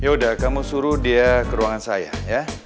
yaudah kamu suruh dia ke ruangan saya ya